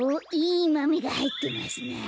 いまめがはいってますなあ。